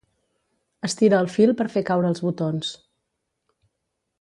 Estira el fil per fer caure els botons.